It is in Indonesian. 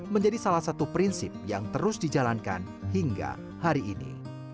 menjadi salah satu prinsip yang terus dijalankan hingga hari ini